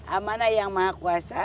amanah yang maha kuasa